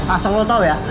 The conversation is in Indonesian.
asal lo tau ya